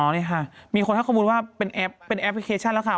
นี่ค่ะมีคนเขาก็บุญว่าเป็นแอปพลิเคชันแล้วค่ะ